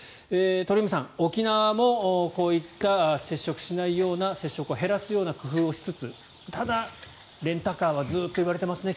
鳥海さん、沖縄もこういった接触しないような接触を減らすような工夫をしつつただ、レンタカーはずっといわれていますね。